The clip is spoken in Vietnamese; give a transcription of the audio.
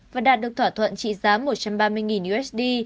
và đạt được thỏa thuận trị giá một trăm ba mươi usd